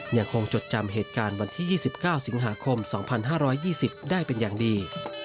จดจำเหตุการณ์วันที่๒๙สิงหาคม๒๕๒๐ได้เป็นอย่างดี